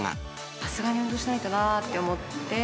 さすがに運動しないとなと思って。